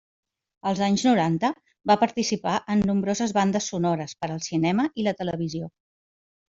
Als anys noranta va participar en nombroses bandes sonores per al cinema i la televisió.